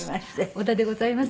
小田でございます。